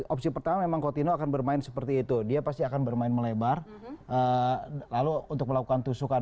opsi pertama memang coutinho akan bermain seperti itu dia pasti akan bermain melebar lalu untuk melakukan tusukan